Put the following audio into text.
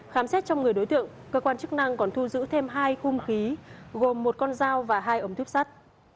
khám xét trong người đối tượng cơ quan chức năng còn thu giữ thêm hai khung khí gồm một con dao và hai ống tuyếp sắt